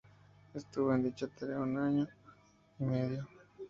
Estuvo en dicha tarea una año y medio.